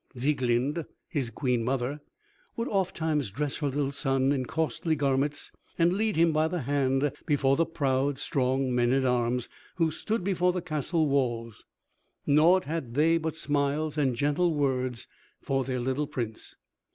Sieglinde, his queen mother, would oftimes dress her little son in costly garments and lead him by the hand before the proud, strong men at arms who stood before the castle walls. Naught had they but smiles and gentle words for their little Prince.